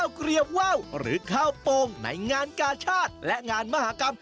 เกลียบว่าวหรือข้าวโปรงในงานกาชาติและงานมหากรรม